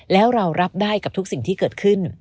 แล้วเรารับได้กับทุกสิ่งที่เกิดขึ้น